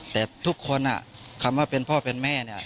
แต่ทุกคนคำว่าเป็นพ่อเป็นแม่เนี่ย